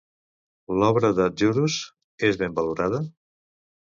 L'obra de Djurhuus és ben valorada?